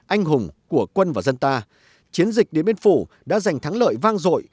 anh hùng của quân và dân ta chiến dịch điện biên phủ đã giành thắng lợi vang dội